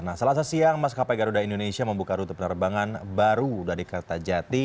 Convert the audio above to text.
nah selasa siang maskapai garuda indonesia membuka rute penerbangan baru dari kertajati